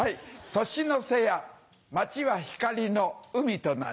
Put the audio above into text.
年の瀬や街は光の海となり。